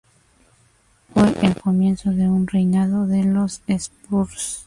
Fue el comienzo de un reinado de los spurs.